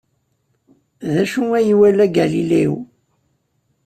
D acu ay iwala Galileo?